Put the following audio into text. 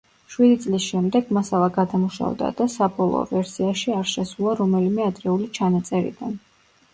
შვიდი წლის შემდეგ მასალა გადამუშავდა და საბოლოო ვერსიაში არ შესულა რომელიმე ადრეული ჩანაწერიდან.